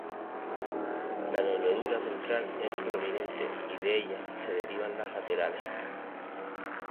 La nervadura central es prominente y de ella se derivan las laterales.